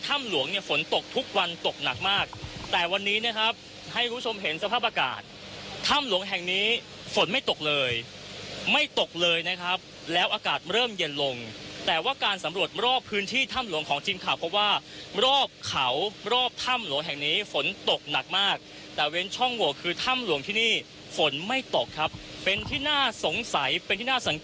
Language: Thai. หลวงเนี่ยฝนตกทุกวันตกหนักมากแต่วันนี้นะครับให้คุณผู้ชมเห็นสภาพอากาศถ้ำหลวงแห่งนี้ฝนไม่ตกเลยไม่ตกเลยนะครับแล้วอากาศเริ่มเย็นลงแต่ว่าการสำรวจรอบพื้นที่ถ้ำหลวงของทีมข่าวพบว่ารอบเขารอบถ้ำหลวงแห่งนี้ฝนตกหนักมากแต่เว้นช่องโหวคือถ้ำหลวงที่นี่ฝนไม่ตกครับเป็นที่น่าสงสัยเป็นที่น่าสังเกต